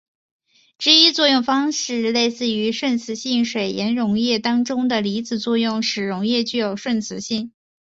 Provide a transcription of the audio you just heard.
这一作用方式类似于顺磁性水盐溶液当中的离子作用使得溶液具有顺磁性。